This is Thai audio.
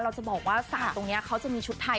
เราจะบอกว่าศาสตร์ตรงนี้เขาจะมีชุดไทย